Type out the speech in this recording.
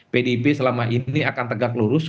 pdip selama ini akan tegak lurus